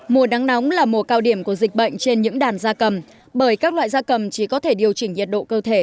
mùa nắng nóng là mùa cao điểm của dịch bệnh trên những đàn da cầm bởi các loại da cầm chỉ có thể điều chỉnh nhiệt độ cơ thể